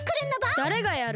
だれがやる？